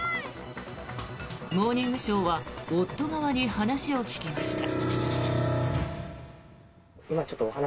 「モーニングショー」は夫側に話を聞きました。